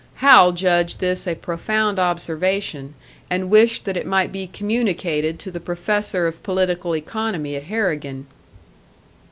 Hal judged this a profound observation, and wished that it might be communicated to the professor of political economy at Harrigan.